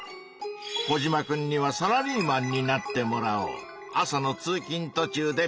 コジマくんにはサラリーマンになってもらおう。